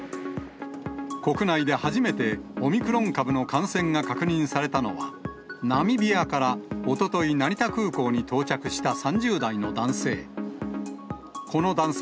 国内で初めてオミクロン株の感染が確認されたのは、ナミビアからおととい、成田空港に到着した３０代の男性。